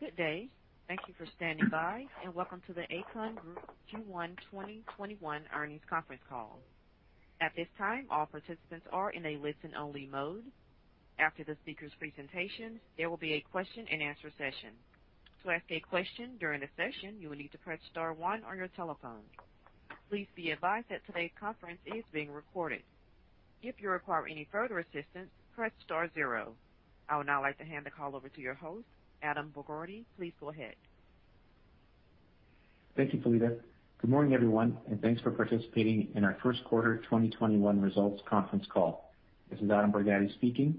Good day. Thank you for standing by, and welcome to the Aecon Group Q1 2021 earnings conference call. At this time, all participants are in a listen-only mode. After the speakers' presentations, there will be a question and answer session. To ask a question during the session, you will need to press star one on your telephone. Please be advised that today's conference is being recorded. If you require any further assistance, press star zero. I would now like to hand the call over to your host, Adam Borgatti. Please go ahead. Thank you, Felita. Good morning, everyone, and thanks for participating in our first quarter 2021 results conference call. This is Adam Borgatti speaking.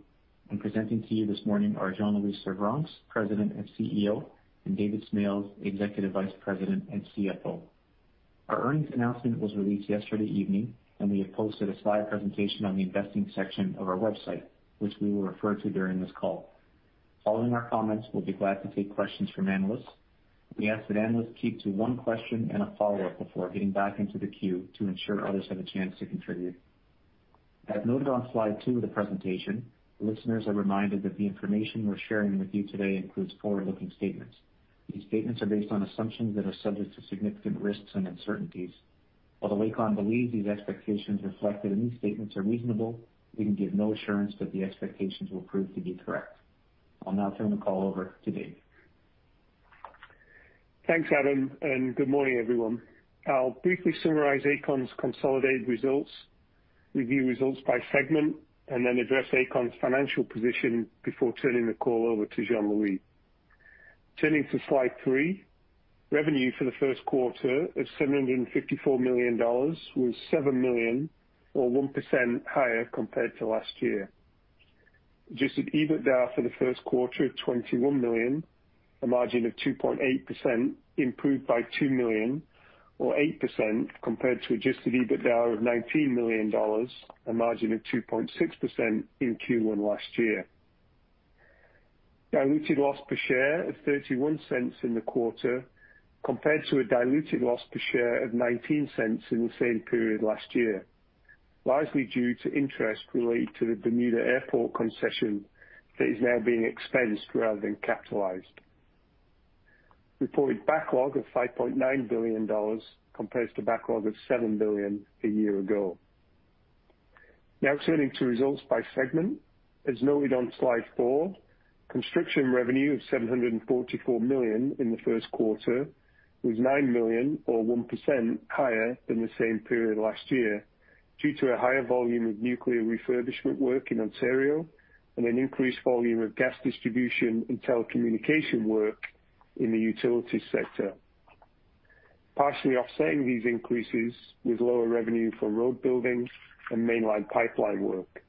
Presenting to you this morning are Jean-Louis Servranckx, President and CEO, and David Smales, Executive Vice President and CFO. Our earnings announcement was released yesterday evening, and we have posted a slide presentation on the investing section of our website, which we will refer to during this call. Following our comments, we'll be glad to take questions from analysts. We ask that analysts keep to one question and a follow-up before getting back into the queue to ensure others have a chance to contribute. As noted on slide two of the presentation, listeners are reminded that the information we're sharing with you today includes forward-looking statements. These statements are based on assumptions that are subject to significant risks and uncertainties. Although Aecon believes these expectations reflected in these statements are reasonable, we can give no assurance that the expectations will prove to be correct. I'll now turn the call over to David. Thanks, Adam, good morning, everyone. I'll briefly summarize Aecon's consolidated results, review results by segment, then address Aecon's financial position before turning the call over to Jean-Louis Servranckx. Turning to slide three. Revenue for the first quarter of 754 million dollars was 7 million or 1% higher compared to last year. Adjusted EBITDA for the first quarter of 21 million, a margin of 2.8%, improved by 2 million, or 8%, compared to adjusted EBITDA of 19 million dollars, a margin of 2.6% in Q1 last year. Diluted loss per share of 0.31 in the quarter, compared to a diluted loss per share of 0.19 in the same period last year, largely due to interest related to the Bermuda Airport Concession that is now being expensed rather than capitalized. Reported backlog of 5.9 billion dollars compares to backlog of 7 billion a year ago. Turning to results by segment. As noted on slide four, construction revenue of 744 million in the first quarter was 9 million or 1% higher than the same period last year due to a higher volume of nuclear refurbishment work in Ontario and an increased volume of gas distribution and telecommunication work in the utility sector. Partially offsetting these increases was lower revenue for road building and mainline pipeline work.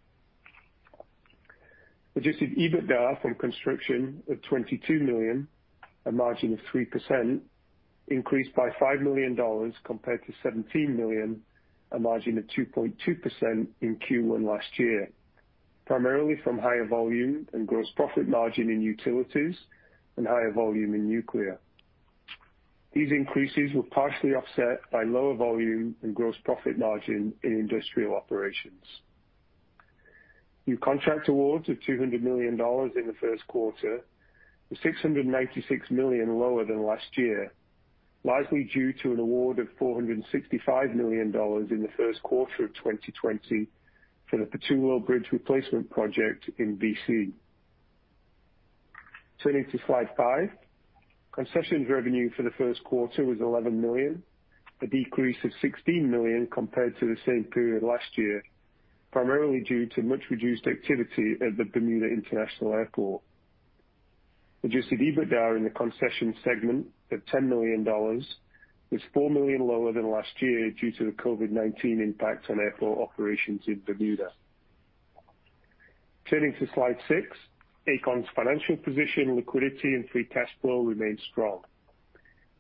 Adjusted EBITDA from construction of 22 million, a margin of 3%, increased by 5 million dollars compared to 17 million, a margin of 2.2% in Q1 last year, primarily from higher volume and gross profit margin in utilities and higher volume in nuclear. These increases were partially offset by lower volume and gross profit margin in industrial operations. New contract awards of 200 million dollars in the first quarter, were 696 million lower than last year, largely due to an award of 465 million dollars in the first quarter of 2020 for the Pattullo Bridge Replacement Project in B.C. Turning to slide five. Concessions revenue for the first quarter was 11 million, a decrease of 16 million compared to the same period last year, primarily due to much reduced activity at the Bermuda International Airport. Adjusted EBITDA in the concession segment of 10 million dollars was 4 million lower than last year due to the COVID-19 impact on airport operations in Bermuda. Turning to slide six. Aecon's financial position, liquidity, and free cash flow remain strong.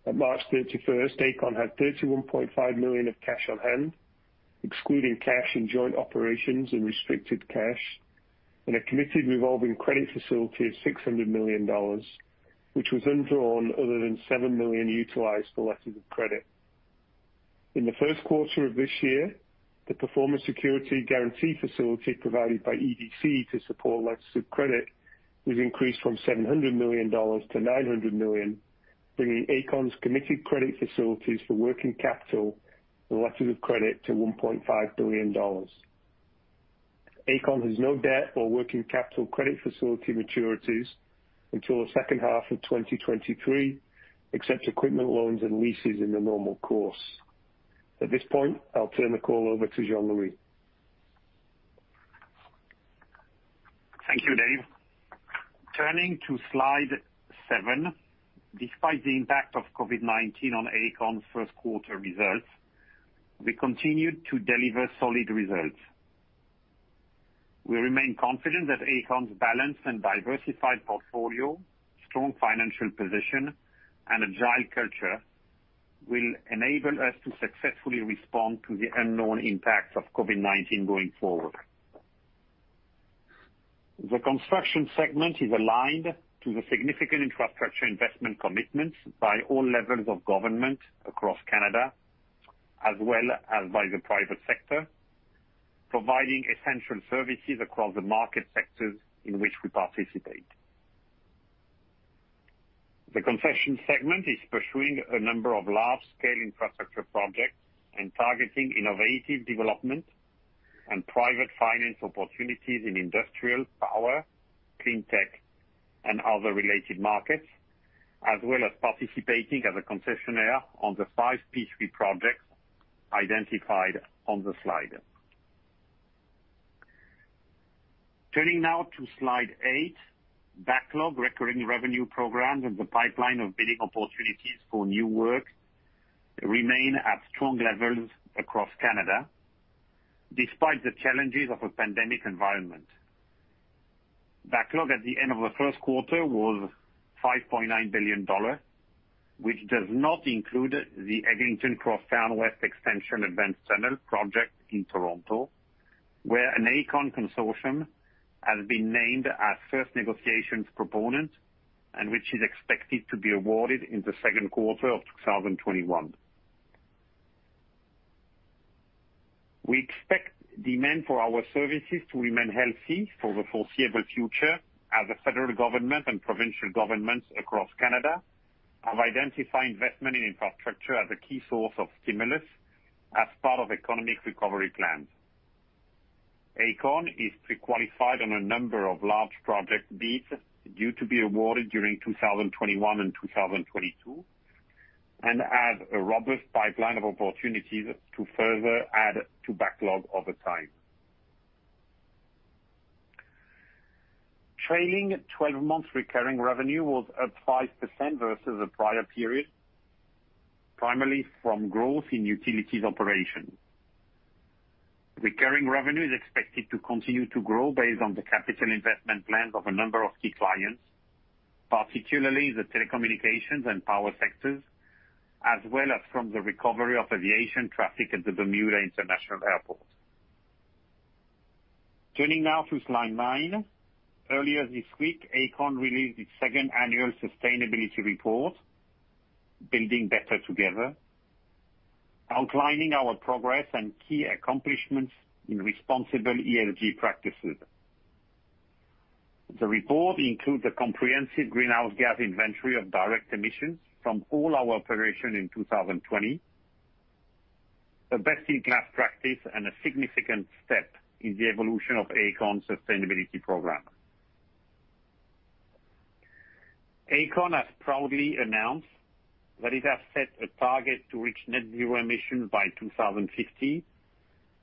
On March 31st, Aecon had 31.5 million of cash on hand, excluding cash in joint operations and restricted cash, and a committed revolving credit facility of 600 million dollars, which was undrawn other than 7 million utilized for letters of credit. In the first quarter of this year, the performance security guarantee facility provided by EDC to support letters of credit was increased from 700 million dollars to 900 million, bringing Aecon's committed credit facilities for working capital and letters of credit to 1.5 billion dollars. Aecon has no debt or working capital credit facility maturities until the second half of 2023, except equipment loans and leases in the normal course. At this point, I'll turn the call over to Jean-Louis Servranckx. Thank you, David. Turning to slide seven. Despite the impact of COVID-19 on Aecon's first quarter results, we continued to deliver solid results. We remain confident that Aecon's balanced and diversified portfolio, strong financial position, and agile culture will enable us to successfully respond to the unknown impacts of COVID-19 going forward. The construction segment is aligned to the significant infrastructure investment commitments by all levels of government across Canada, as well as by the private sector, providing essential services across the market sectors in which we participate. The concession segment is pursuing a number of large-scale infrastructure projects and targeting innovative development and private finance opportunities in industrial, power, clean tech, and other related markets, as well as participating as a concessionaire on the five P3 projects identified on the slide. Turning now to slide eight, backlog recurring revenue programs and the pipeline of bidding opportunities for new work remain at strong levels across Canada, despite the challenges of a pandemic environment. Backlog at the end of the first quarter was 5.9 billion dollars, which does not include the Eglinton Crosstown West Extension Advanced Tunnel Project in Toronto, where an Aecon consortium has been named as first negotiations proponent, and which is expected to be awarded in the second quarter of 2021. We expect demand for our services to remain healthy for the foreseeable future as the federal government and provincial governments across Canada have identified investment in infrastructure as a key source of stimulus as part of economic recovery plans. Aecon is pre-qualified on a number of large project bids due to be awarded during 2021 and 2022, and have a robust pipeline of opportunities to further add to backlog over time. Trailing 12 months recurring revenue was up 5% versus the prior period, primarily from growth in utilities operations. Recurring revenue is expected to continue to grow based on the capital investment plans of a number of key clients, particularly the telecommunications and power sectors, as well as from the recovery of aviation traffic at the Bermuda International Airport. Turning now to slide nine. Earlier this week, Aecon released its second annual sustainability report, Building Better Together, outlining our progress and key accomplishments in responsible ESG practices. The report includes a comprehensive greenhouse gas inventory of direct emissions from all our operations in 2020, a best-in-class practice, and a significant step in the evolution of Aecon's sustainability program. Aecon Group has proudly announced that it has set a target to reach net zero emissions by 2050,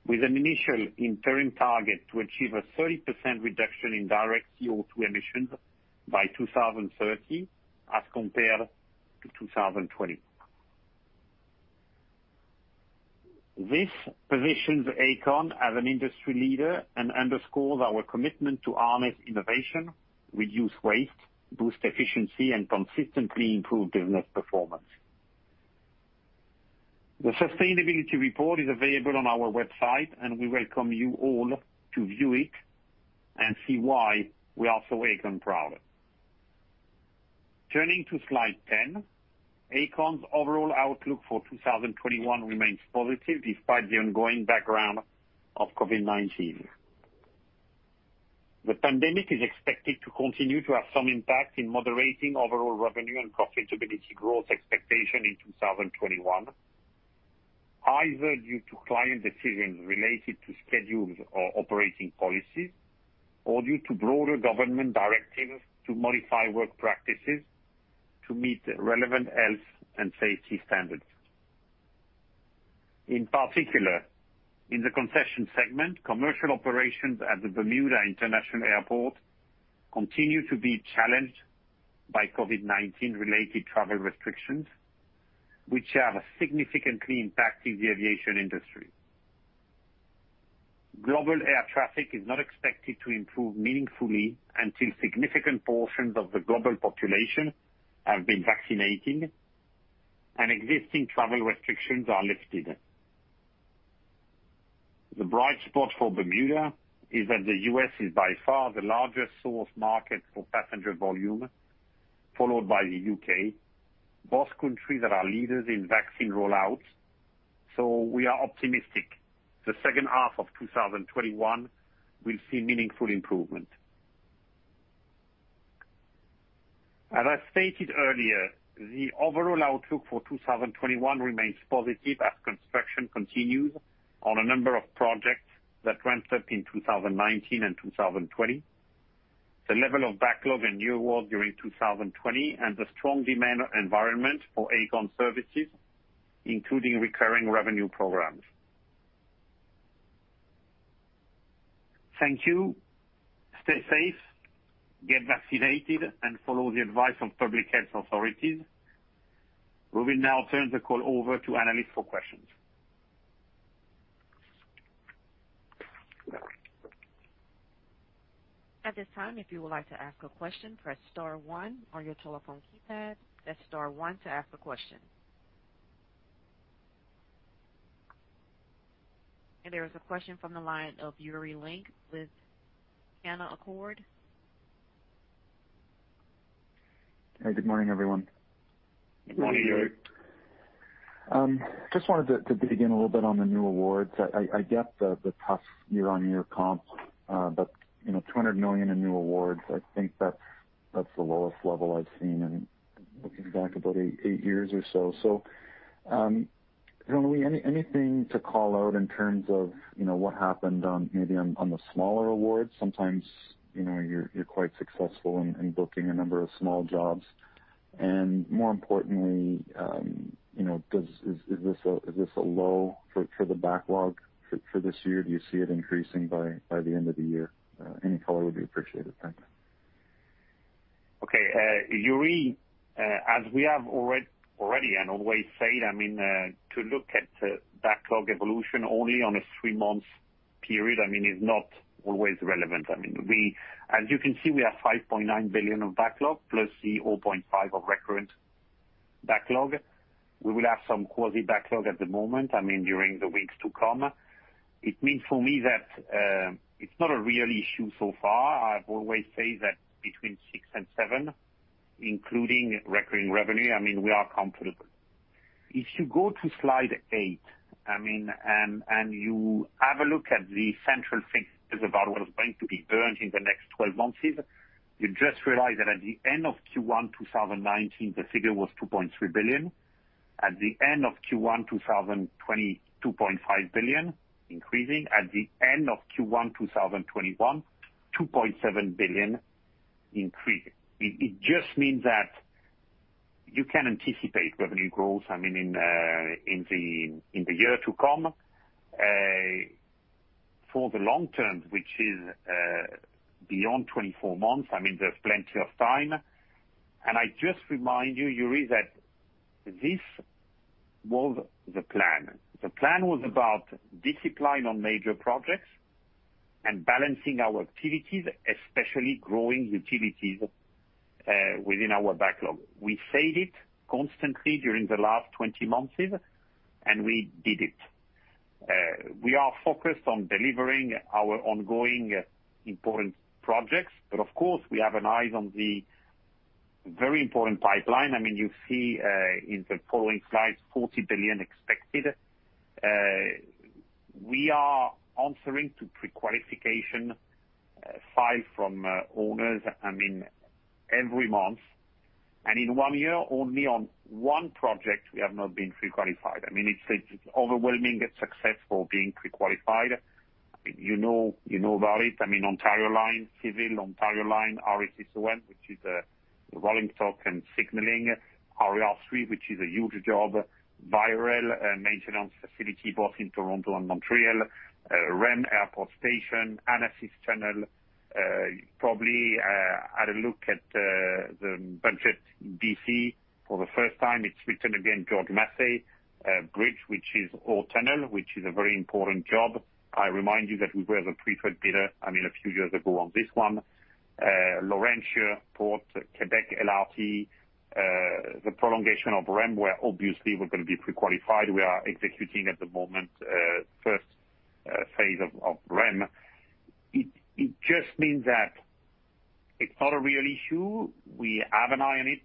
with an initial interim target to achieve a 30% reduction in direct CO2 emissions by 2030 as compared to 2020. This positions Aecon Group as an industry leader and underscores our commitment to harness innovation, reduce waste, boost efficiency, and consistently improve business performance. The sustainability report is available on our website, and we welcome you all to view it and see why we are so Aecon Proud. Turning to slide 10, Aecon's overall outlook for 2021 remains positive despite the ongoing background of COVID-19. The pandemic is expected to continue to have some impact in moderating overall revenue and profitability growth expectation in 2021, either due to client decisions related to schedules or operating policies, or due to broader government directives to modify work practices to meet relevant health and safety standards. In particular, in the concession segment, commercial operations at the Bermuda International Airport continue to be challenged by COVID-19 related travel restrictions, which are significantly impacting the aviation industry. Global air traffic is not expected to improve meaningfully until significant portions of the global population have been vaccinated and existing travel restrictions are lifted. The bright spot for Bermuda is that the U.S. is by far the largest source market for passenger volume, followed by the U.K. Both countries are our leaders in vaccine rollouts, so we are optimistic the second half of 2021 will see meaningful improvement. As I stated earlier, the overall outlook for 2021 remains positive as construction continues on a number of projects that ramped up in 2019 and 2020, the level of backlog and new awards during 2020 and the strong demand environment for Aecon services, including recurring revenue programs. Thank you. Stay safe, get vaccinated, and follow the advice of public health authorities. We will now turn the call over to analysts for questions. At this time, if you would like to ask a question, press star one on your telephone keypad. That's star one to ask a question. There is a question from the line of Yuri Lynk with Canaccord. Hey, good morning, everyone. Good morning, Yuri. Just wanted to dig in a little bit on the new awards. I get the tough year-on-year comp, 200 million in new awards, I think that's the lowest level I've seen in looking back about eight years or so. Jean-Louis, anything to call out in terms of what happened on maybe on the smaller awards? Sometimes you're quite successful in booking a number of small jobs. More importantly, is this a low for the backlog for this year? Do you see it increasing by the end of the year? Any color would be appreciated. Thanks. Okay. Yuri, as we have already and always said, to look at the backlog evolution only on a three-month period is not always relevant. As you can see, we have 5.9 billion of backlog plus the 0.5 of recurrent backlog. We will have some quasi-backlog at the moment, during the weeks to come. It means for me that it's not a real issue so far. I've always said that between six and seven, including recurring revenue, we are comfortable. If you go to slide eight and you have a look at the central figures about what is going to be earned in the next 12 months, you just realize that at the end of Q1 2019, the figure was 2.3 billion. At the end of Q1 2020, 2.5 billion, increasing. At the end of Q1 2021, 2.7 billion, increasing. It just means that you can anticipate revenue growth in the year to come. For the long term, which is beyond 24 months, there's plenty of time. I just remind you, Yuri, that this was the plan. The plan was about discipline on major projects and balancing our activities, especially growing utilities within our backlog. We said it constantly during the last 20 months, and we did it. We are focused on delivering our ongoing important projects. Of course, we have an eye on the very important pipeline. You see in the following slides, 40 billion expected. We are answering to pre-qualification five from owners every month. In one year, only on one project we have not been pre-qualified. It's overwhelming success for being pre-qualified. You know about it. Ontario Line, Civil Ontario Line, RSSOM, which is a rolling stock and signaling. RE, which is a huge job. VIA Rail maintenance facility, both in Toronto and Montreal. REM Airport Station, Annacis Tunnel. Probably had a look at the Budget BC for the first time. It's written again, George Massey Tunnel, which is all tunnel, which is a very important job. I remind you that we were the preferred bidder a few years ago on this one. Laurentia Port, Quebec LRT, the prolongation of REM, where obviously we're going to be pre-qualified. We are executing at the moment first phase of REM. It just means that it's not a real issue. We have an eye on it.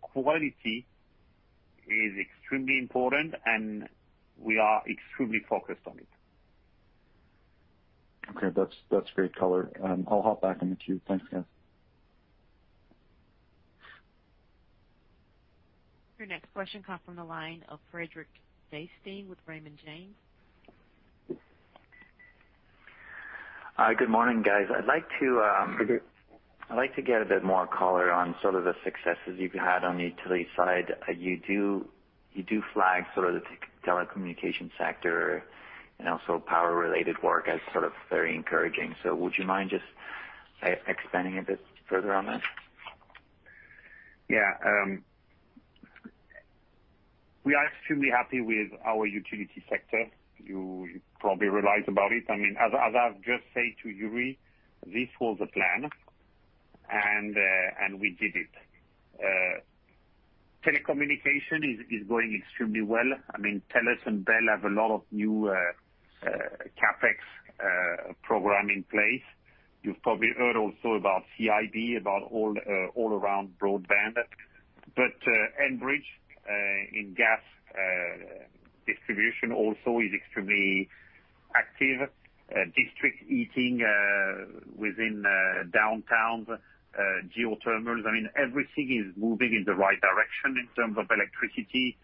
Quality is extremely important, and we are extremely focused on it. Okay. That's great color. I'll hop back in the queue. Thanks, guys. Your next question comes from the line of Frederic Bastien with Raymond James. Hi. Good morning, guys. I'd like to get a bit more color on sort of the successes you've had on the utility side. You do flag sort of the telecommunication sector and also power-related work as sort of very encouraging. Would you mind just expanding a bit further on that? Yeah. We are extremely happy with our utility sector. You probably realized about it. As I've just said to Yuri, this was the plan, and we did it. Telecommunication is going extremely well. Telus and Bell have a lot of new CapEx program in place. You've probably heard also about CIB, about all around broadband. Enbridge in gas distribution also is extremely active. District heating within downtown geothermals. Everything is moving in the right direction in terms of electricity.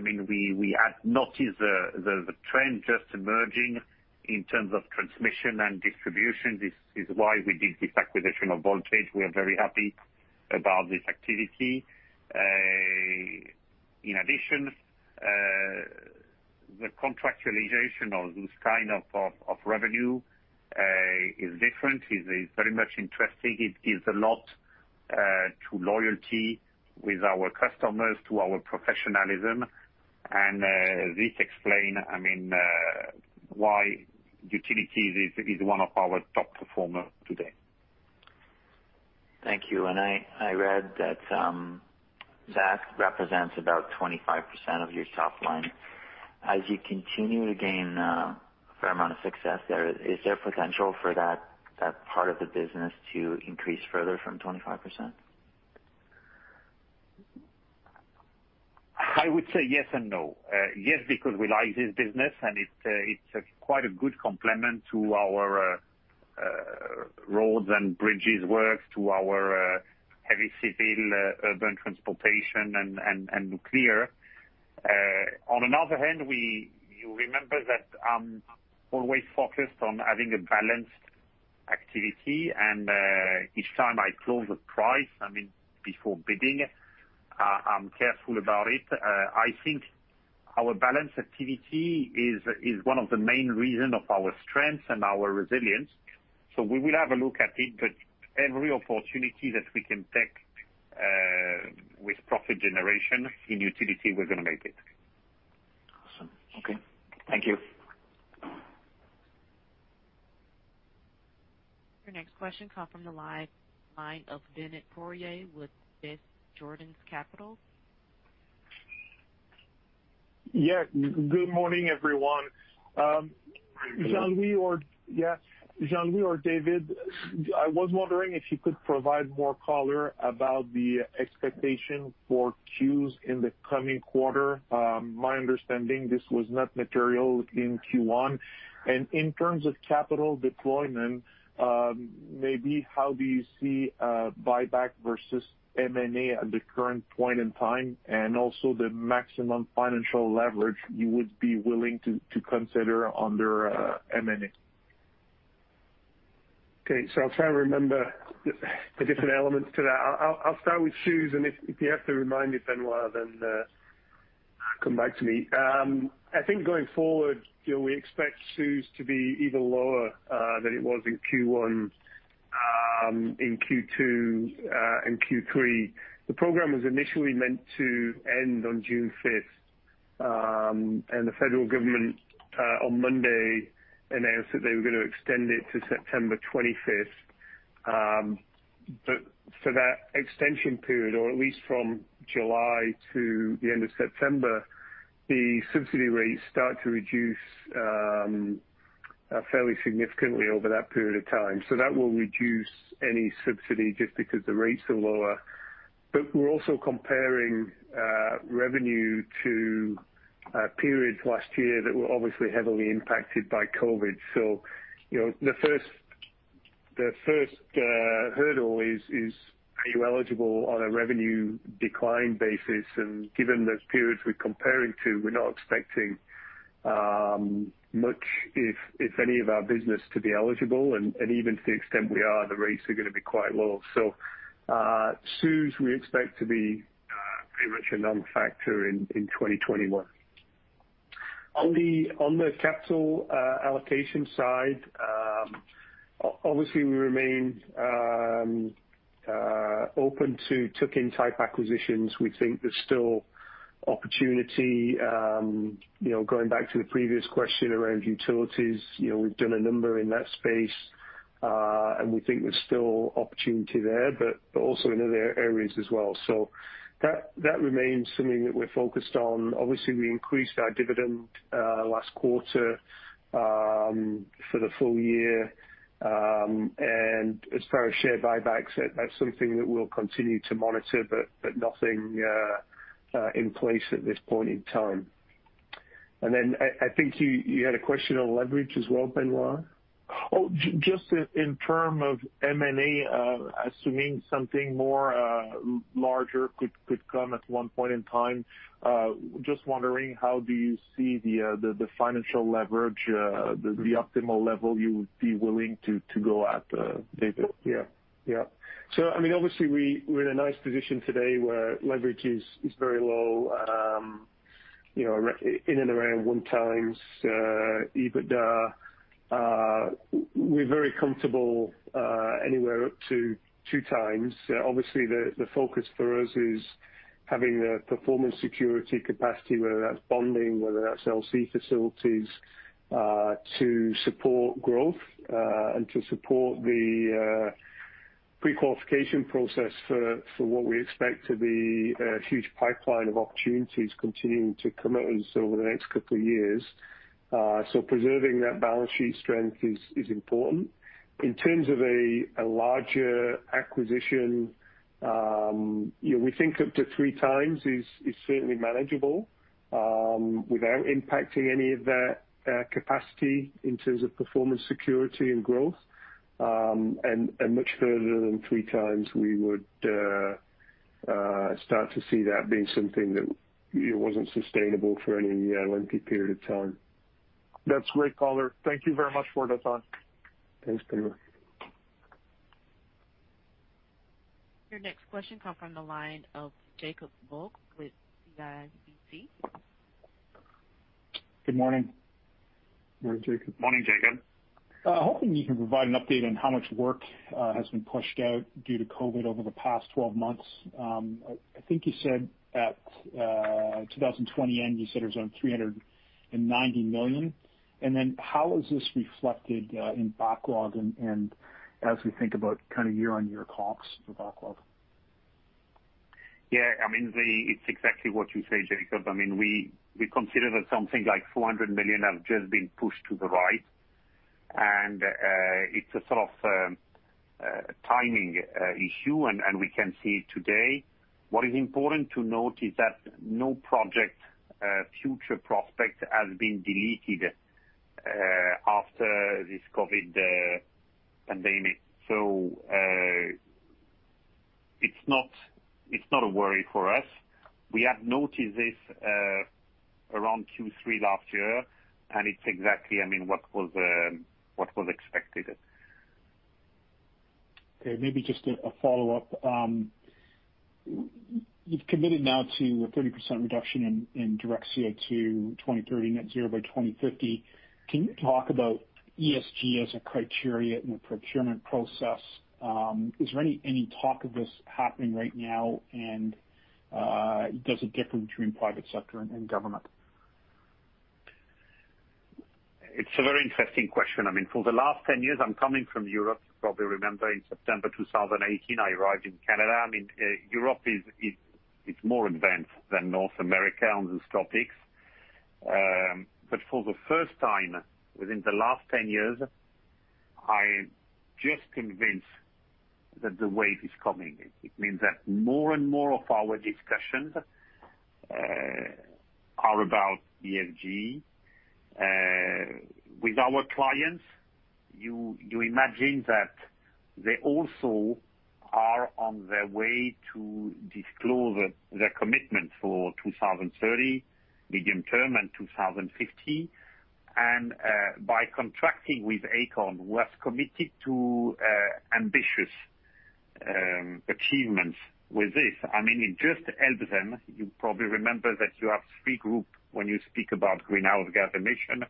We have noticed the trend just emerging in terms of transmission and distribution. This is why we did this acquisition of Voltage Power Ltd. We are very happy about this activity. In addition, the contractualization of this kind of revenue is different, is very much interesting. It gives a lot to loyalty with our customers, to our professionalism, and this explain why utilities is one of our top performers today. Thank you. I read that that represents about 25% of your top line. As you continue to gain a fair amount of success there, is there potential for that part of the business to increase further from 25%? I would say yes and no. Yes, because we like this business and it's quite a good complement to our roads and bridges work, to our heavy civil urban transportation and nuclear. On another hand, you remember that I'm always focused on having a balanced activity, and each time I close a price, before bidding, I'm careful about it. I think our balanced activity is one of the main reasons of our strength and our resilience. We will have a look at it, but every opportunity that we can take with profit generation in utility, we're going to make it. Awesome. Okay. Thank you. Your next question comes from the live line of Benoit Poirier with Desjardins Securities. Yes. Good morning, everyone. Good morning. Jean-Louis or David, I was wondering if you could provide more color about the expectation for CEWS in the coming quarter. My understanding, this was not material in Q1. In terms of capital deployment, maybe how do you see buyback versus M&A at the current point in time, and also the maximum financial leverage you would be willing to consider under M&A? Okay. I'll try and remember the different elements to that. I'll start with CEWS, and if you have to remind me, Benoit, then come back to me. I think going forward, we expect CEWS to be even lower than it was in Q1, in Q2, and Q3. The program was initially meant to end on June 5th, and the federal government, on Monday, announced that they were going to extend it to September 25th. For that extension period, or at least from July to the end of September, the subsidy rates start to reduce fairly significantly over that period of time. That will reduce any subsidy just because the rates are lower. We're also comparing revenue to periods last year that were obviously heavily impacted by COVID. The first hurdle is, are you eligible on a revenue decline basis? Given those periods we're comparing to, we're not expecting much, if any of our business to be eligible. Even to the extent we are, the rates are going to be quite low. CEWS, we expect to be pretty much a non-factor in 2021. On the capital allocation side, obviously we remain open to tuck-in type acquisitions. We think there's still opportunity. Going back to the previous question around utilities, we've done a number in that space, and we think there's still opportunity there, but also in other areas as well. That remains something that we're focused on. Obviously, we increased our dividend last quarter for the full year. As far as share buybacks, that's something that we'll continue to monitor, but nothing in place at this point in time. I think you had a question on leverage as well, Benoit? Oh, just in terms of M&A, assuming something more larger could come at one point in time. Just wondering, how do you see the financial leverage, the optimal level you would be willing to go at, David? Obviously, we're in a nice position today where leverage is very low, in and around 1x EBITDA. We're very comfortable anywhere up to 2x. Obviously, the focus for us is having the performance security capacity, whether that's bonding, whether that's LC facilities, to support growth, and to support the pre-qualification process for what we expect to be a huge pipeline of opportunities continuing to come at us over the next couple of years. Preserving that balance sheet strength is important. In terms of a larger acquisition, we think up to 3x is certainly manageable, without impacting any of that capacity in terms of performance, security and growth. Much further than 3x, we would start to see that being something that wasn't sustainable for any lengthy period of time. That's great color. Thank you very much for the time. Thanks, Benoit. Your next question comes from the line of Jacob Bout with CIBC Capital Markets. Good morning. Morning, Jacob. Morning, Jacob. I was hoping you can provide an update on how much work has been pushed out due to COVID over the past 12 months. I think you said at 2020 end, you said it was around 390 million. How is this reflected in backlog and as we think about kind of year-on-year comps for backlog? Yeah, it's exactly what you say, Jacob. We consider that something like 400 million have just been pushed to the right, and it's a sort of timing issue, and we can see it today. What is important to note is that no project future prospect has been deleted after this COVID pandemic. It's not a worry for us. We have noticed this around Q3 last year, and it's exactly what was expected. Okay, maybe just a follow-up. You've committed now to a 30% reduction in direct CO2, 2030 net zero by 2050. Can you talk about ESG as a criteria in the procurement process? Is there any talk of this happening right now? Does it differ between private sector and government? It's a very interesting question. For the last 10 years, I'm coming from Europe. You probably remember in September 2018, I arrived in Canada. Europe is more advanced than North America on these topics. For the first time within the last 10 years, I'm just convinced that the wave is coming. It means that more and more of our discussions are about ESG. With our clients, you imagine that they also are on their way to disclose their commitment for 2030, medium-term, and 2050, and by contracting with Aecon, who has committed to ambitious achievements with this. It just helps them. You probably remember that you have three group when you speak about greenhouse gas emission.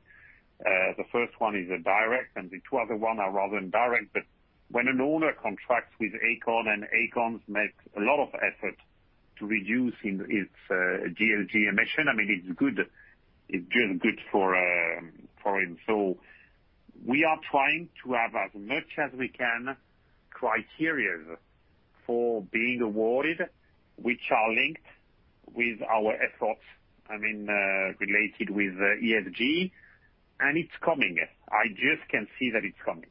The first one is a direct, the two other one are rather indirect, when an owner contracts with Aecon and Aecon makes a lot of effort to reduce its GHG emission, it's good for him. We are trying to have as much as we can, criterias for being awarded, which are linked with our efforts, related with ESG, it's coming. I just can see that it's coming.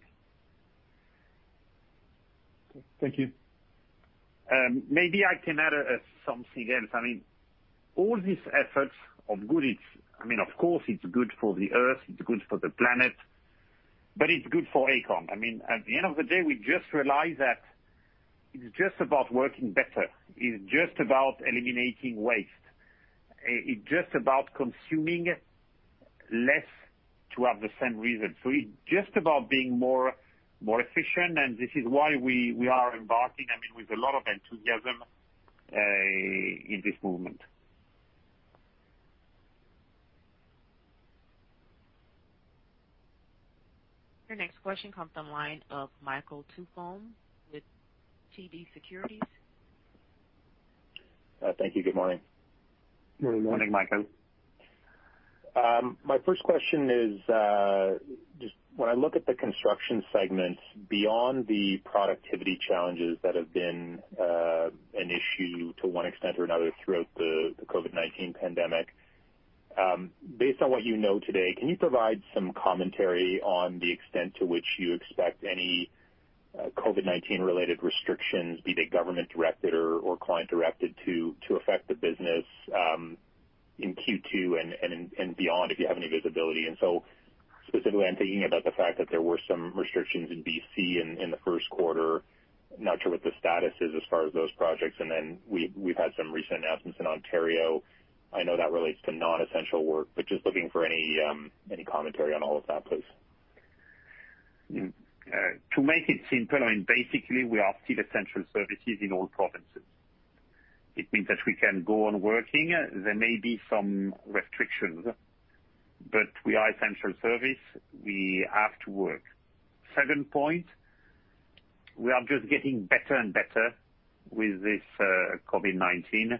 Okay. Thank you. Maybe I can add something else. All these efforts of good, of course it's good for the Earth, it's good for the planet, but it's good for Aecon Group. At the end of the day, we just realize that it's just about working better. It's just about eliminating waste. It's just about consuming less to have the same result. It's just about being more efficient, and this is why we are embarking with a lot of enthusiasm in this movement. Your next question comes from the line of Michael Tupholme with TD Securities. Thank you. Good morning. Good morning. Morning, Michael. My first question is, just when I look at the construction segments beyond the productivity challenges that have been an issue to one extent or another throughout the COVID-19 pandemic, based on what you know today, can you provide some commentary on the extent to which you expect any COVID-19 related restrictions, be they government directed or client directed, to affect the business in Q2 and beyond, if you have any visibility? Specifically, I'm thinking about the fact that there were some restrictions in B.C. in the first quarter. Not sure what the status is as far as those projects. Then we've had some recent announcements in Ontario. I know that relates to non-essential work, but just looking for any commentary on all of that, please. To make it simple, basically, we are still essential services in all provinces. It means that we can go on working. There may be some restrictions, but we are essential service. We have to work. Second point, we are just getting better and better with this COVID-19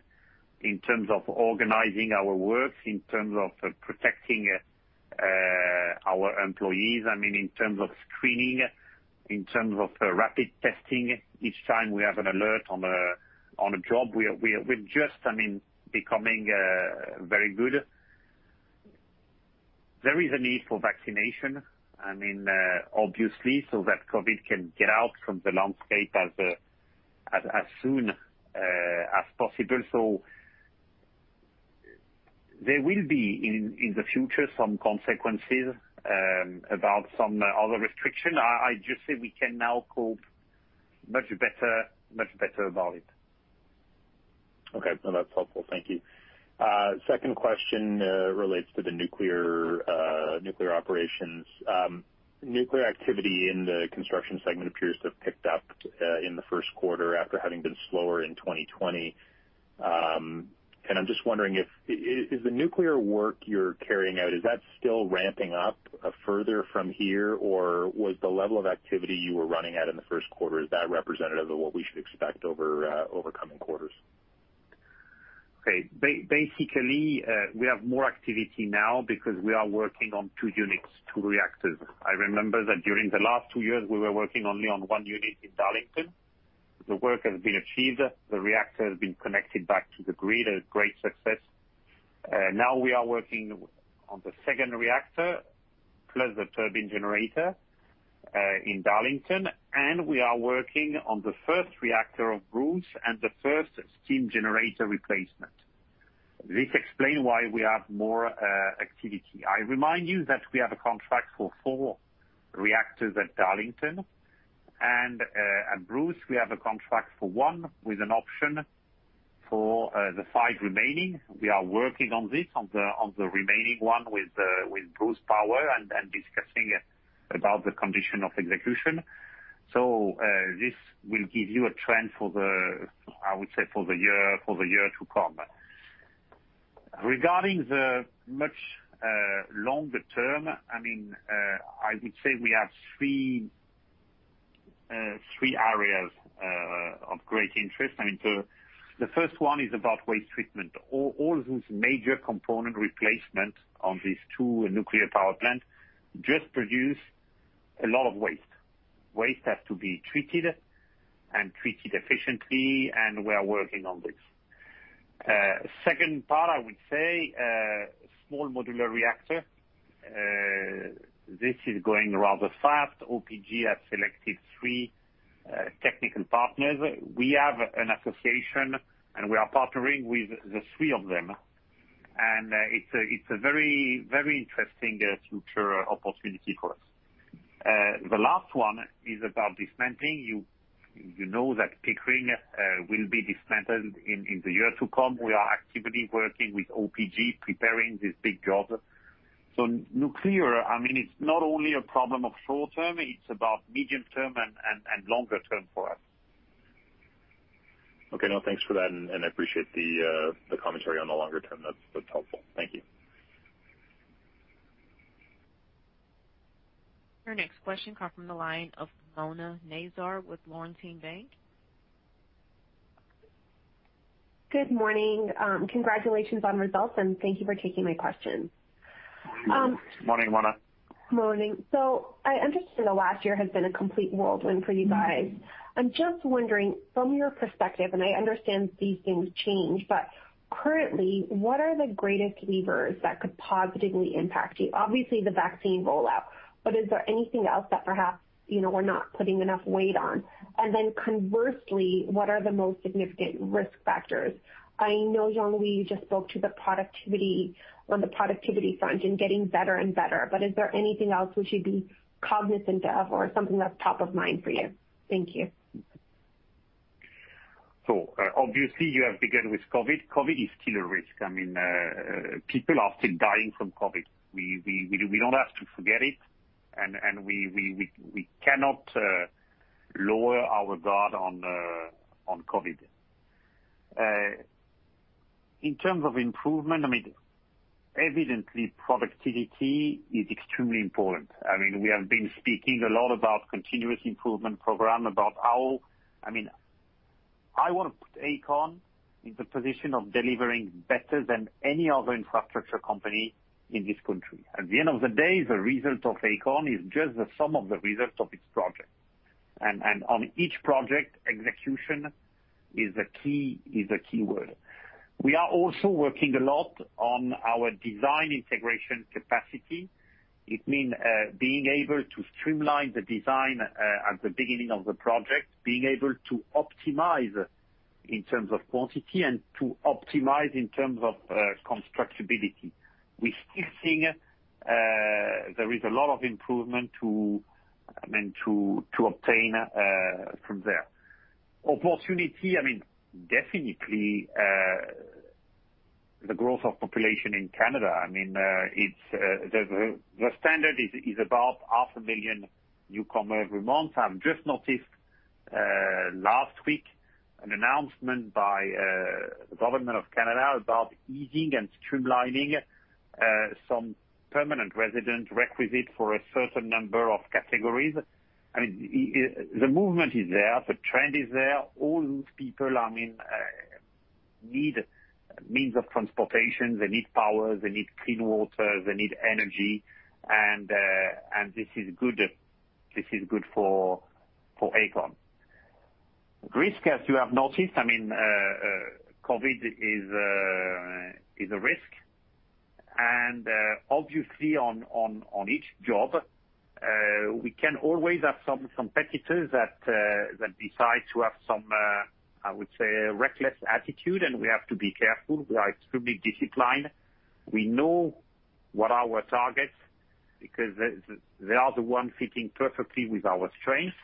in terms of organizing our work, in terms of protecting our employees, in terms of screening, in terms of rapid testing. Each time we have an alert on a job, we're just becoming very good. There is a need for vaccination, obviously, so that COVID can get out from the landscape as soon as possible. There will be, in the future, some consequences about some other restriction. I just say we can now cope much better about it. Okay. No, that's helpful. Thank you. Second question relates to the nuclear operations. Nuclear activity in the construction segment appears to have picked up in the first quarter after having been slower in 2020. I'm just wondering, is the nuclear work you're carrying out, is that still ramping up further from here, or was the level of activity you were running at in the first quarter, is that representative of what we should expect over coming quarters? Okay. Basically, we have more activity now because we are working on two units, two reactors. I remember that during the last two years, we were working only on one unit in Darlington. The work has been achieved. The reactor has been connected back to the grid, a great success. Now we are working on the second reactor, plus the turbine generator in Darlington, and we are working on the first reactor of Bruce and the first steam generator replacement. This explain why we have more activity. I remind you that we have a contract for four reactors at Darlington Nuclear Generating Station, and at Bruce Nuclear Generating Station, we have a contract for one with an option for the five remaining. We are working on this, on the remaining one with Bruce Power and discussing about the condition of execution. This will give you a trend for the, I would say for the year to come. Regarding the much longer term, I would say we have three areas of great interest. The first one is about waste treatment. All those major component replacement on these two nuclear power plant just produce a lot of waste. Waste has to be treated, and treated efficiently, and we are working on this. Second part, I would say, small modular reactor. This is going rather fast. OPG has selected three technical partners. We have an association, and we are partnering with the three of them. It's a very interesting future opportunity for us. The last one is about dismantling. You know that Pickering will be dismantled in the year to come. We are actively working with OPG preparing this big job. nuclear, it's not only a problem of short term, it's about medium term and longer term for us. Okay. No, thanks for that, and I appreciate the commentary on the longer term. That's helpful. Thank you. Your next question come from the line of Mona Nazir with Laurentian Bank. Good morning. Congratulations on results. Thank you for taking my question. Morning, Mona. Morning. I understand the last year has been a complete whirlwind for you guys. I'm just wondering from your perspective, and I understand these things change, but currently, what are the greatest levers that could positively impact you? Obviously, the vaccine rollout. Is there anything else that perhaps we're not putting enough weight on? Then conversely, what are the most significant risk factors? I know, Jean-Louis Servranckx, you just spoke to the productivity on the productivity front and getting better and better, is there anything else we should be cognizant of or something that's top of mind for you? Thank you. Obviously you have to begin with COVID. COVID is still a risk. People are still dying from COVID. We don't have to forget it, and we cannot lower our guard on COVID. In terms of improvement, evidently, productivity is extremely important. We have been speaking a lot about continuous improvement program. I want to put Aecon Group in the position of delivering better than any other infrastructure company in this country. At the end of the day, the result of Aecon Group is just the sum of the results of its projects. On each project, execution is a key word. We are also working a lot on our design integration capacity. It mean being able to streamline the design at the beginning of the project, being able to optimize in terms of quantity and to optimize in terms of constructability. We still think there is a lot of improvement to obtain from there. Opportunity, definitely, the growth of population in Canada. The standard is about half a million newcomers every month. I've just noticed, last week, an announcement by the government of Canada about easing and streamlining some permanent resident requisite for a certain number of categories. The movement is there, the trend is there. All those people need means of transportation. They need power, they need clean water, they need energy, and this is good for Aecon Group. Risk, as you have noticed, COVID is a risk. Obviously on each job, we can always have some competitors that decide to have some, I would say, a reckless attitude, and we have to be careful. We are extremely disciplined. We know what our targets, because they are the one fitting perfectly with our strengths,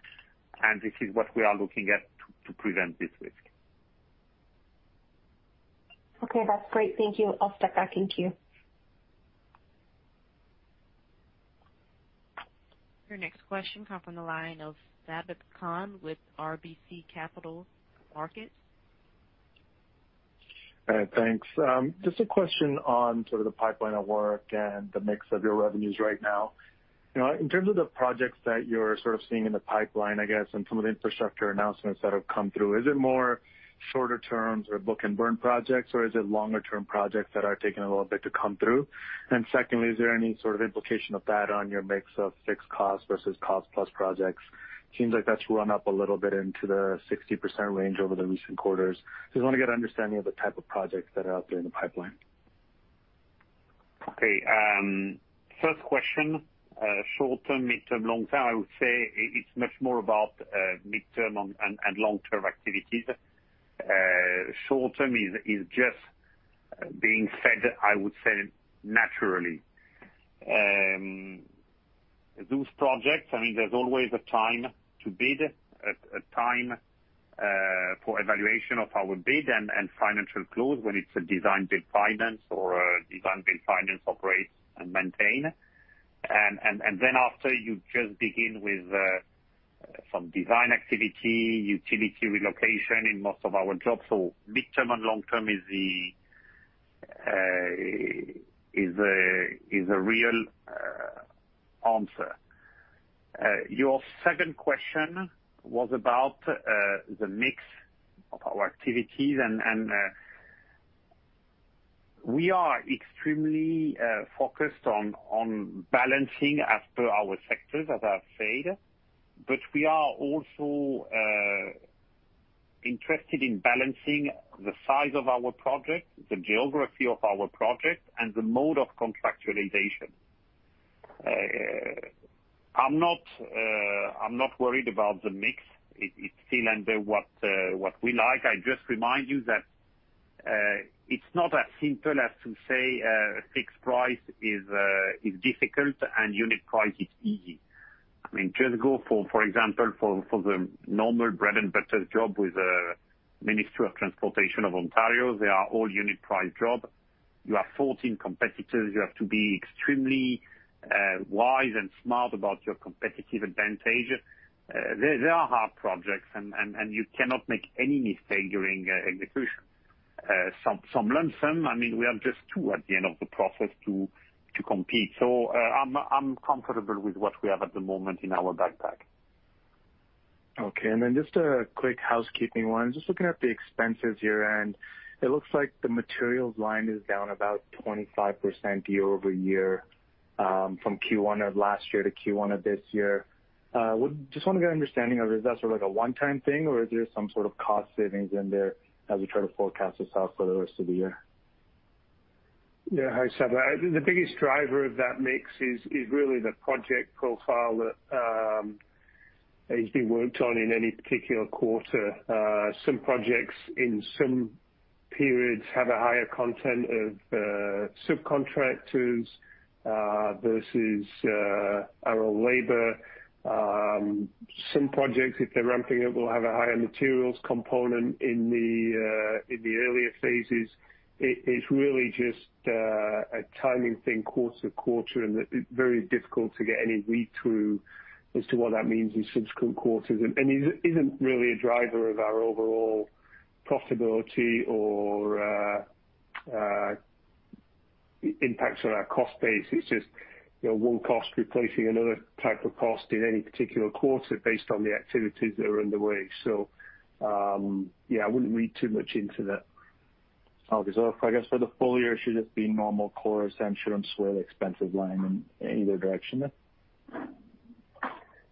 and this is what we are looking at to prevent this risk. Okay. That's great. Thank you. I'll step back into you. Your next question come from the line of Sabahat Khan with RBC Capital Markets. Hi, thanks. Just a question on sort of the pipeline of work and the mix of your revenues right now. In terms of the projects that you're seeing in the pipeline, I guess, and some of the infrastructure announcements that have come through, is it more shorter terms or book-and-burn projects, or is it longer-term projects that are taking a little bit to come through? Secondly, is there any sort of implication of that on your mix of fixed cost versus cost plus projects? Seems like that's run up a little bit into the 60% range over the recent quarters. Just want to get an understanding of the type of projects that are out there in the pipeline. Okay. First question, short-term, mid-term, long-term, I would say it's much more about mid-term and long-term activities. Short-term is just being fed, I would say, naturally. Those projects, there's always a time to bid, a time for evaluation of our bid and financial close when it's a design-bid finance or a design-bid finance operate and maintain. Then after you just begin with some design activity, utility relocation in most of our jobs. Mid-term and long-term is the real answer. Your second question was about the mix of our activities, we are extremely focused on balancing as per our sectors, as I said, but we are also interested in balancing the size of our project, the geography of our project, and the mode of contractualization. I'm not worried about the mix. It's still under what we like. I just remind you that it's not as simple as to say a fixed price is difficult and unit price is easy. Just go for example, for the normal bread-and-butter job with the Ministry of Transportation of Ontario, they are all unit price job. You have 14 competitors. You have to be extremely wise and smart about your competitive advantage. They are hard projects, and you cannot make any mistake during execution. Some lump sum, we are just two at the end of the process to compete. I'm comfortable with what we have at the moment in our backpack. Okay. Just a quick housekeeping one. Just looking at the expenses year-end, it looks like the materials line is down about 25% year-over-year, from Q1 of last year to Q1 of this year. Just want to get an understanding of, is that a one-time thing or is there some sort of cost savings in there as we try to forecast this out for the rest of the year? Yeah. Hi, Sabahat. The biggest driver of that mix is really the project profile that is being worked on in any particular quarter. Some projects in some periods have a higher content of subcontractors versus our labor. Some projects, if they're ramping up, will have a higher materials component in the earlier phases. It's really just a timing thing quarter to quarter, and it's very difficult to get any read-through as to what that means in subsequent quarters. It isn't really a driver of our overall profitability or impacts on our cost base. It's just one cost replacing another type of cost in any particular quarter based on the activities that are underway. Yeah, I wouldn't read too much into that. Okay. I guess for the full year, it should just be normal course, I'm sure I'm swiveling the expenses line in either direction then?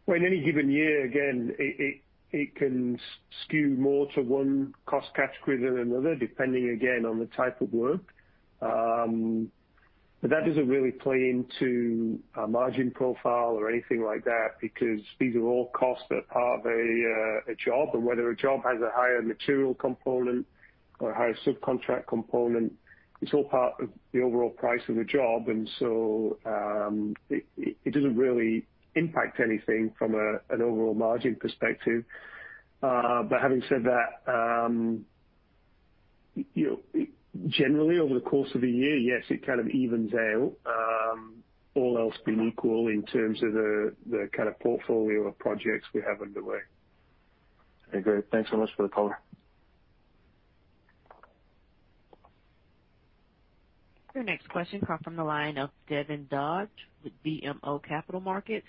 Well, in any given year, again, it can skew more to one cost category than another, depending again on the type of work. That doesn't really play into our margin profile or anything like that because these are all costs that are part of a job, and whether a job has a higher material component or a higher subcontract component, it's all part of the overall price of the job. It doesn't really impact anything from an overall margin perspective. Having said that, generally over the course of a year, yes, it kind of evens out, all else being equal in terms of the kind of portfolio of projects we have underway. Okay, great. Thanks so much for the color. Your next question comes from the line of Devin Dodge with BMO Capital Markets.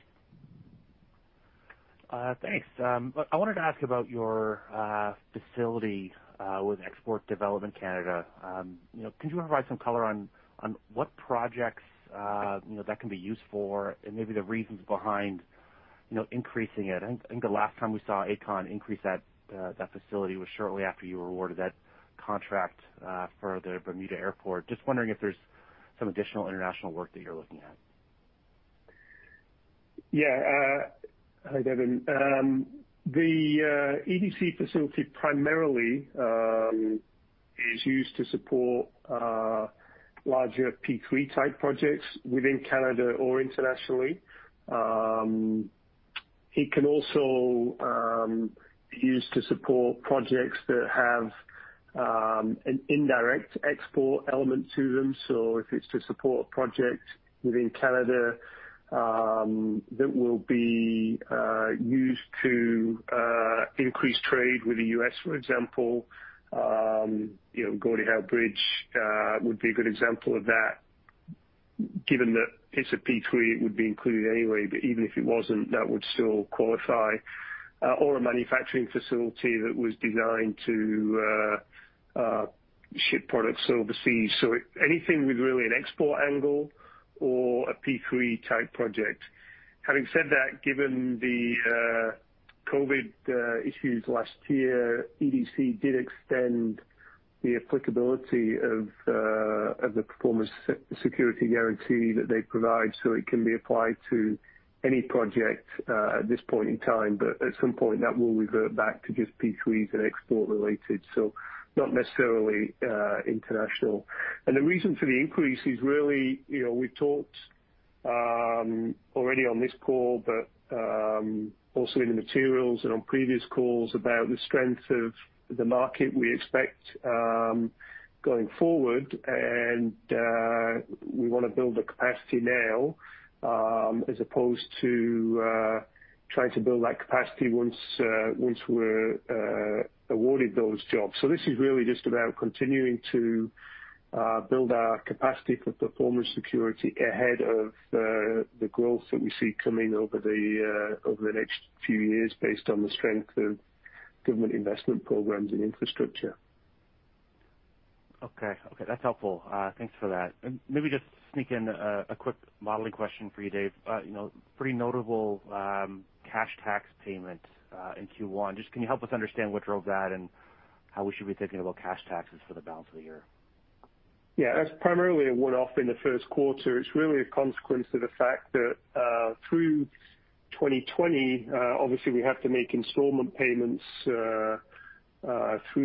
Thanks. I wanted to ask about your facility with Export Development Canada. Can you provide some color on what projects that can be used for and maybe the reasons behind increasing it? I think the last time we saw Aecon increase that facility was shortly after you were awarded that contract for the Bermuda International Airport. Just wondering if there's some additional international work that you're looking at. Yeah. Hi, Devin. The EDC facility primarily is used to support larger P3 type projects within Canada or internationally. It can also be used to support projects that have an indirect export element to them. If it's to support a project within Canada that will be used to increase trade with the U.S., for example, Gordie Howe International Bridge would be a good example of that. Given that it's a P3, it would be included anyway, but even if it wasn't, that would still qualify, or a manufacturing facility that was designed to ship products overseas. Anything with really an export angle or a P3-type project. Having said that, given the COVID issues last year, EDC did extend the applicability of the performance security guarantee that they provide, so it can be applied to any project at this point in time. At some point, that will revert back to just P3s and export-related, so not necessarily international. The reason for the increase is really, we've talked already on this call, but also in the materials and on previous calls about the strength of the market we expect going forward. We want to build the capacity now, as opposed to trying to build that capacity once we're awarded those jobs. This is really just about continuing to build our capacity for performance security ahead of the growth that we see coming over the next few years based on the strength of government investment programs and infrastructure. Okay. That's helpful. Thanks for that. Maybe just sneak in a quick modeling question for you, David. Pretty notable cash tax payment in Q1. Just can you help us understand what drove that and how we should be thinking about cash taxes for the balance of the year? Yeah. That's primarily a one-off in the first quarter. It's really a consequence of the fact that through 2020, obviously, we have to make installment payments through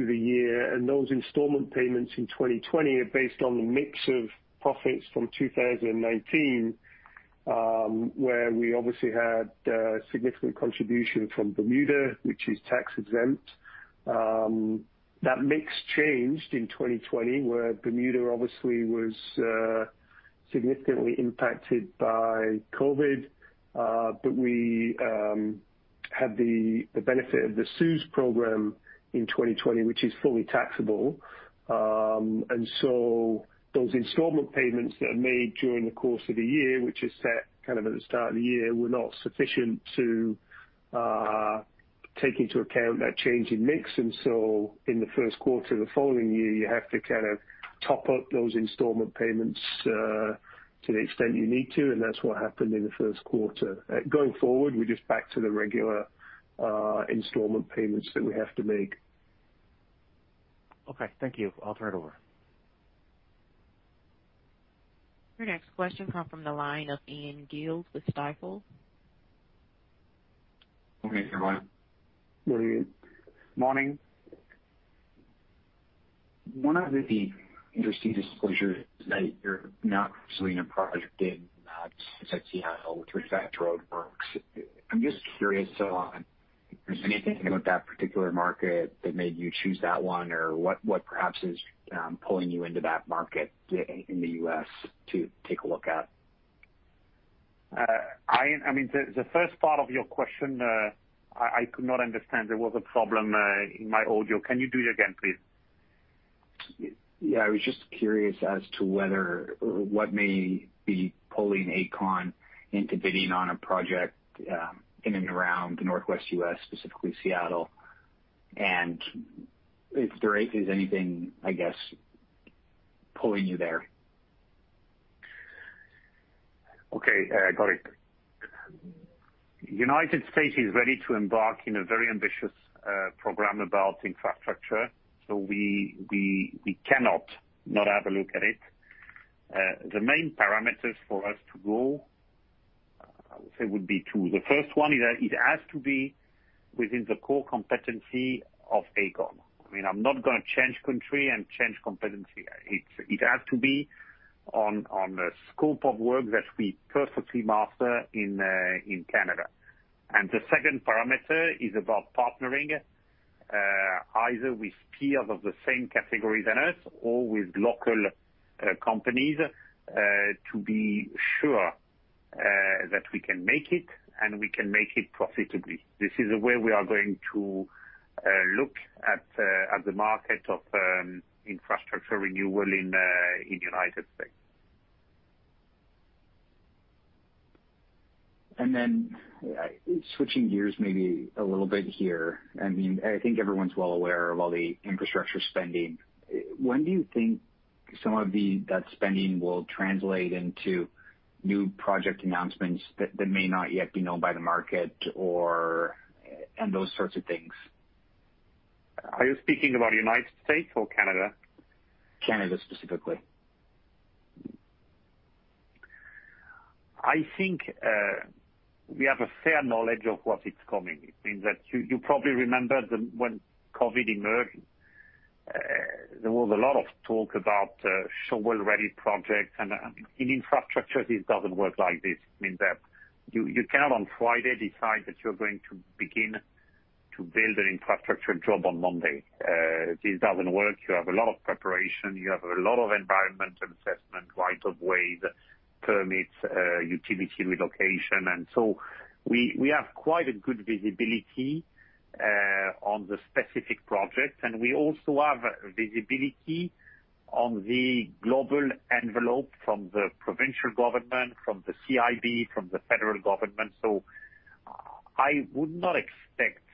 the year, and those installment payments in 2020 are based on the mix of profits from 2019, where we obviously had a significant contribution from Bermuda, which is tax-exempt. That mix changed in 2020, where Bermuda International Airport obviously was significantly impacted by COVID. We had the benefit of the CEWS program in 2020, which is fully taxable. Those installment payments that are made during the course of the year, which is set kind of at the start of the year, were not sufficient to take into account that change in mix. In the first quarter of the following year, you have to kind of top up those installment payments to the extent you need to, and that's what happened in the first quarter. Going forward, we're just back to the regular installment payments that we have to make. Okay, thank you. I'll turn it over. Your next question comes from the line of Ian Gillies with Stifel. Okay. Good morning. Morning. One of the interesting disclosures that you're not pursuing a project in Seattle with respect to roadworks. I'm just curious on, is there anything about that particular market that made you choose that one, or what perhaps is pulling you into that market in the U.S. to take a look at? Ian, the first part of your question, I could not understand. There was a problem in my audio. Can you do it again, please? Yeah. I was just curious as to what may be pulling Aecon into bidding on a project in and around the Northwest U.S., specifically Seattle. If there is anything, I guess, pulling you there. Okay, got it. The U.S. is ready to embark on a very ambitious program about infrastructure. We cannot not have a look at it. The main parameters for us to go, I would say, would be two. The first one is that it has to be within the core competency of Aecon Group. I'm not going to change country and change competency. It has to be on a scope of work that we perfectly master in Canada. The second parameter is about partnering, either with peers of the same category than us or with local companies, to be sure that we can make it, and we can make it profitably. This is the way we are going to look at the market of infrastructure renewal in the U.S. Switching gears maybe a little bit here. I think everyone's well aware of all the infrastructure spending. When do you think some of that spending will translate into new project announcements that may not yet be known by the market and those sorts of things? Are you speaking about United States or Canada? Canada, specifically. I think we have a fair knowledge of what is coming. It means that you probably remember when COVID emerged, there was a lot of talk about shovel-ready projects. In infrastructure, this doesn't work like this. It means that you cannot, on Friday, decide that you're going to begin to build an infrastructure job on Monday. This doesn't work. You have a lot of preparation. You have a lot of environmental assessment, right of way, the permits, utility relocation. We have quite a good visibility on the specific projects, and we also have visibility on the global envelope from the provincial government, from the CIB, from the federal government. I would not expect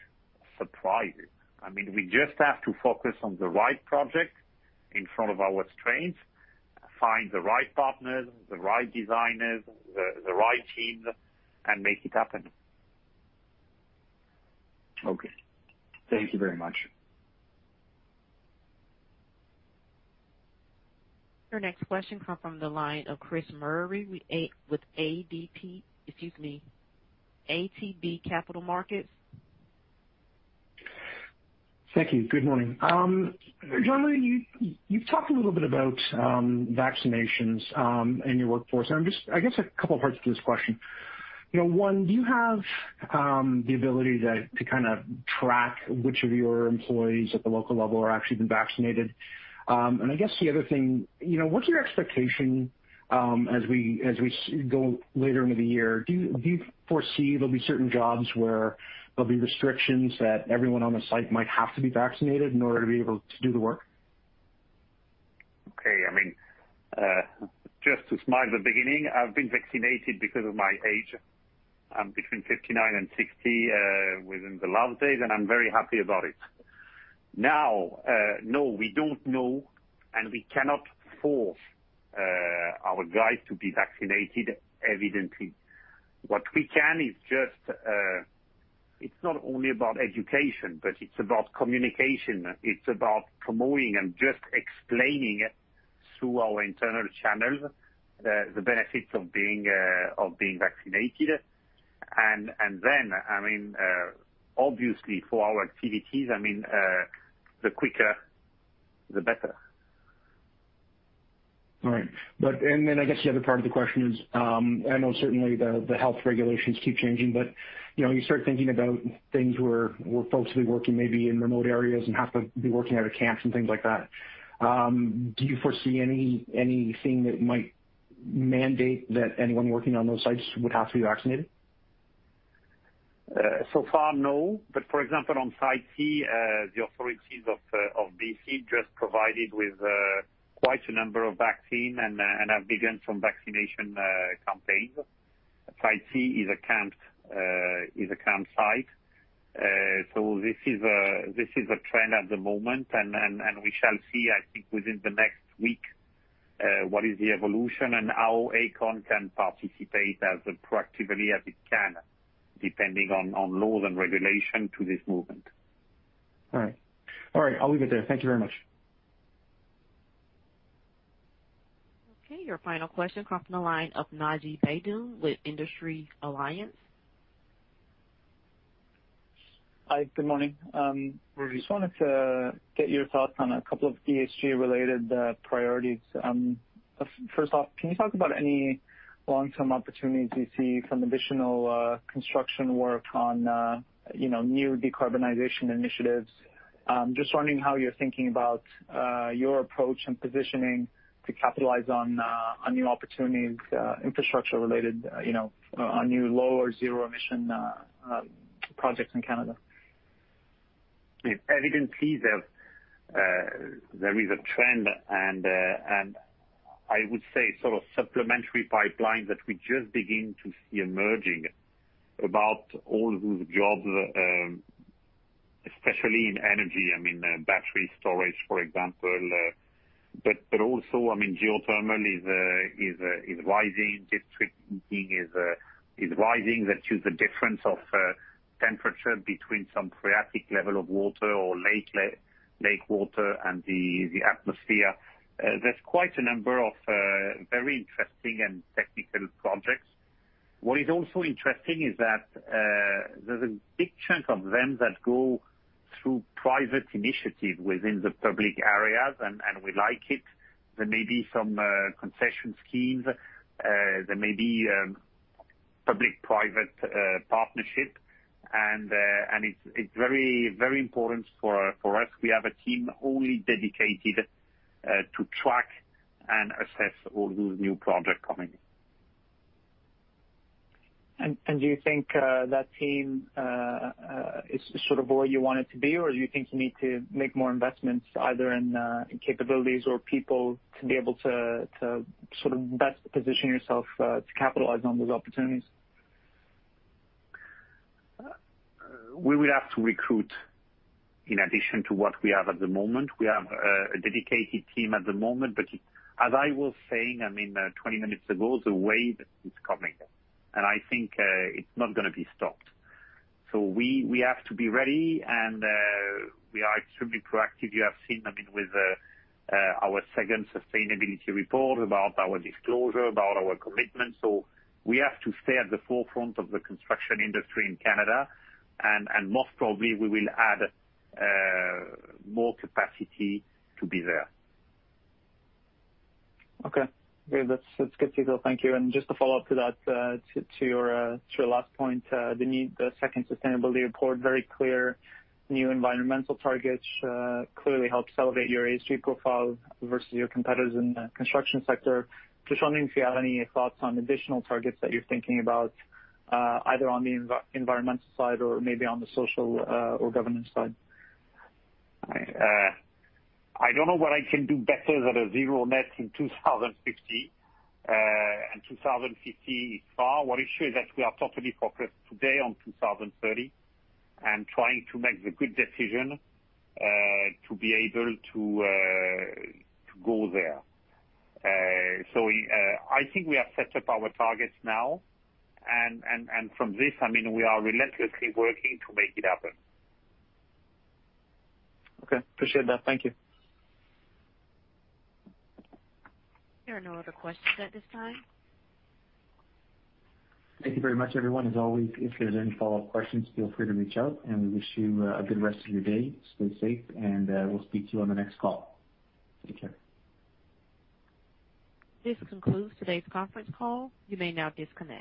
surprises. We just have to focus on the right project in front of our strengths, find the right partners, the right designers, the right teams, and make it happen. Okay. Thank you very much. Your next question comes from the line of Chris Murray with ATB Capital Markets. Thank you. Good morning. Jean-Louis Servranckx, you've talked a little bit about vaccinations in your workforce, and I guess a couple of parts to this question. One, do you have the ability to track which of your employees at the local level are actually vaccinated? I guess the other thing, what's your expectation as we go later into the year? Do you foresee there'll be certain jobs where there'll be restrictions that everyone on the site might have to be vaccinated in order to be able to do the work? Okay. Just to smile at the beginning, I've been vaccinated because of my age. I'm between 59 and 60, within the last days, and I'm very happy about it. No, we don't know, and we cannot force our guys to be vaccinated, evidently. What we can is just, it's not only about education, but it's about communication. It's about promoting and just explaining it through our internal channels, the benefits of being vaccinated. Obviously for our activities, the quicker, the better. All right. I guess the other part of the question is, I know certainly the health regulations keep changing, but you start thinking about things where folks will be working maybe in remote areas and have to be working out of camps and things like that. Do you foresee anything that might mandate that anyone working on those sites would have to be vaccinated? So far, no. For example, on Site C, the authorities of B.C. just provided with quite a number of vaccine and have begun some vaccination campaigns. Site C is a campsite. This is a trend at the moment, and we shall see, I think within the next week, what is the evolution and how Aecon can participate as proactively as it can, depending on laws and regulation to this movement. All right. I'll leave it there. Thank you very much. Okay, your final question comes from the line of Naji Baydoun with Industrial Alliance. Hi, good morning. Morning. Just wanted to get your thoughts on a couple of ESG-related priorities. First off, can you talk about any long-term opportunities you see from additional construction work on new decarbonization initiatives? Just wondering how you're thinking about your approach and positioning to capitalize on new opportunities, infrastructure related, on new low or zero emission projects in Canada. Evidently, there is a trend, and I would say supplementary pipeline that we just begin to see emerging about all those jobs, especially in energy, battery storage, for example. Also, geothermal is rising. District heating is rising. That is the difference of temperature between some phreatic level of water or lake water and the atmosphere. There's quite a number of very interesting and technical projects. What is also interesting is that there's a big chunk of them that go through private initiative within the public areas, and we like it. There may be some concession schemes. There may be public-private partnership, and it's very important for us. We have a team only dedicated to track and assess all those new projects coming in. Do you think that team is sort of where you want it to be, or do you think you need to make more investments, either in capabilities or people to be able to best position yourself to capitalize on those opportunities? We will have to recruit in addition to what we have at the moment. We have a dedicated team at the moment, but as I was saying, 20 minutes ago, the wave is coming, and I think it's not going to be stopped. We have to be ready, and we are extremely proactive. You have seen with our second sustainability report about our disclosure, about our commitment. We have to stay at the forefront of the construction industry in Canada, and most probably we will add more capacity to be there. Okay. That's good to hear. Thank you. Just to follow up to that, to your last point, the second sustainability report, very clear new environmental targets clearly help celebrate your ESG profile versus your competitors in the construction sector. Just wondering if you have any thoughts on additional targets that you're thinking about, either on the environmental side or maybe on the social or governance side? I don't know what I can do better than a zero net in 2050, and 2050 is far. What is sure is that we are totally focused today on 2030 and trying to make the good decision to be able to go there. I think we have set up our targets now, and from this, we are relentlessly working to make it happen. Okay. Appreciate that. Thank you. There are no other questions at this time. Thank you very much, everyone. As always, if there's any follow-up questions, feel free to reach out, and we wish you a good rest of your day. Stay safe, and we'll speak to you on the next call. Take care. This concludes today's conference call. You may now disconnect.